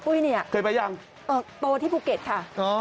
อุ้ยเนี้ยเคยไปยังเอ่อประวัติที่ภูเก็ตค่ะอ๋อ